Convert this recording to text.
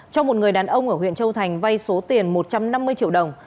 cho một người đàn ông ở huyện châu thành vay số tiền một trăm năm mươi triệu đồng